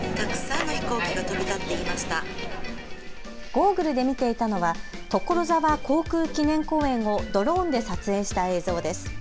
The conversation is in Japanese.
ゴーグルで見ていたのは所沢航空記念公園をドローンで撮影した映像です。